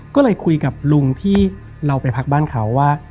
ก็เลยคุยกับลุงที่เราไปพักบ้านเขาว่า